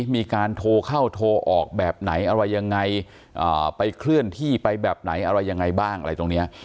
มีการโทรเข้าโทรออกแบบไหนอะไรยังไงไปเคลื่อนที่ไปแบบไหนอะไรยังไงบ้างอะไรตรงนี้